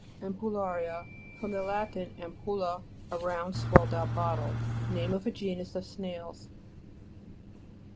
AMPULLA'RTA fr. lat. ampulla, a round, swelled out bottle. Name of a genus of snails.